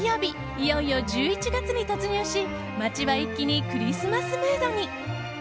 いよいよ１１月に突入し街は一気にクリスマスムードに。